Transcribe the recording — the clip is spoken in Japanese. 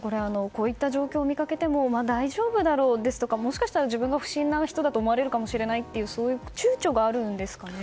こういった状況を見かけても大丈夫だろうですとかもしかしたら自分が不審な人だと思われるかもしれないというそういう躊躇があるんですかね。